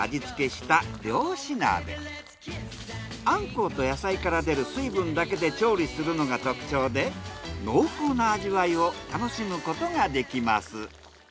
アンコウと野菜から出る水分だけで調理するのが特徴で濃厚な味わいを楽しむことができます。